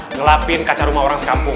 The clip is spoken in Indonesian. ngelapin kaca rumah orang sekampung